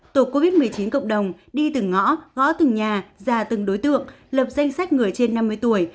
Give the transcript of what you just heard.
tổ covid một mươi chín cộng đồng đi từng ngõ gõ từng nhà ra từng đối tượng lập danh sách người trên năm mươi tuổi